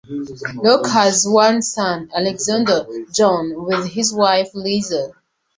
Rock has one son, Alexander John, with his wife Liza.